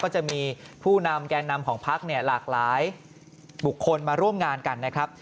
ก็จะมีผู้นำแก่นำของพักเนี่ยหลากหลายบุคคลมาร่วมงานกันนะครับ